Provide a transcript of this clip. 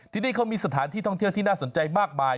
ที่นี่เขามีสถานที่ท่องเที่ยวที่น่าสนใจมากมาย